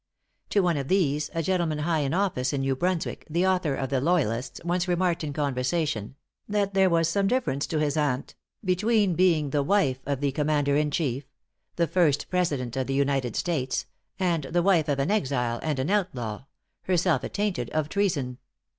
To one of these, a gentleman high in office in New Brunswick, the author of the 'Loyalists' once remarked in conversation, that there was some difference to his aunt, between being the wife of the Commander in chief the first President of the United States, and the wife of an exile and an outlaw herself attainted of treason.